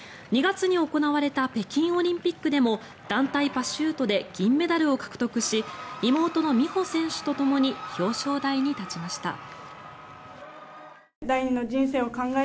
２月に行われた北京オリンピックでも団体パシュートで銀メダルを獲得し妹の美帆選手とともに表彰台に立ちました。